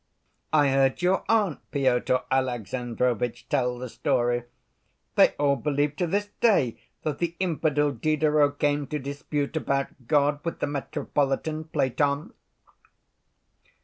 I heard your aunt, Pyotr Alexandrovitch, tell the story. They all believe to this day that the infidel Diderot came to dispute about God with the Metropolitan Platon...."